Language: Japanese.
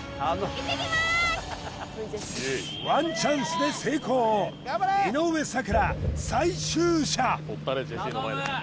ワンチャンスで成功井上咲楽最終射！